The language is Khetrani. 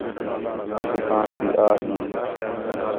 دُِکان تی آ ہیں